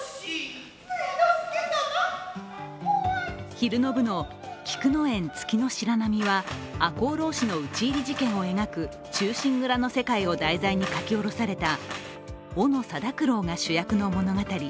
昼の部の「菊宴月白浪」は赤穂浪士の討ち入り事件を描く「忠臣蔵」の世界を題材に書き下ろされた斧定九郎が主役の物語。